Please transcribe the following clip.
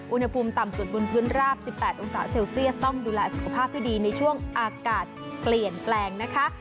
อุณหภูมิต่ำสุดบนพื้นราบ๑๘องศาเซลเซียสต้องดูแลสุขภาพให้ดีในช่วงอากาศเปลี่ยนแปลงนะคะ